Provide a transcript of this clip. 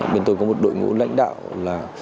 bên tôi có một đội ngũ lãnh đạo là